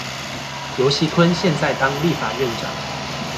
游錫堃現在在當立法院長